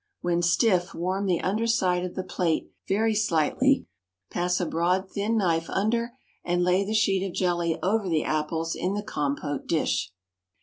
When stiff, warm the under side of the plate very slightly, pass a broad thin knife under, and lay the sheet of jelly over the apples in the compote dish.